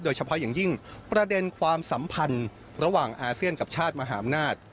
โดยเฉพาะอย่างยิ่งประเด็นความสัมพันธ์ระหว่างอาเซียนกับชาติมหาอำนาจ